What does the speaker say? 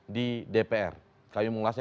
di dpr kami mengulasnya